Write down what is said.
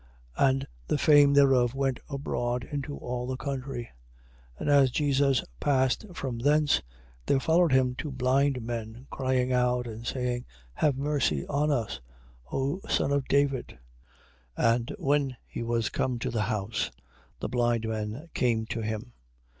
9:26. And the fame hereof went abroad into all that country. 9:27. And as Jesus passed from thence, there followed him two blind men crying out and saying, Have mercy on us, O Son of David. 9:28. And when he was come to the house, the blind men came to him.